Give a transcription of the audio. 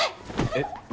えっ？